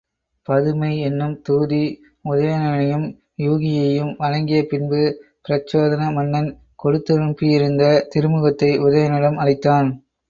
பதுமை என்னும் தூதி, உதயணனையும் யூகியையும் வணங்கிய பின்பு பிரச்சோதன மன்னன் கொடுத்தனுப்பியிருந்த திருமுகத்தை உதயணனிடம் அளித்தான்.